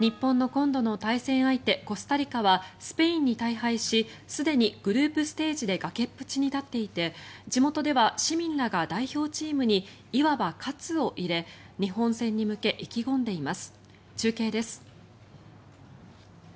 コスタリカはスペインに大敗しすでにグループステージで崖っぷちに立っていて地元では市民らが代表チームにいわば活を入れ日本戦に向け、意気込んでいます中継です。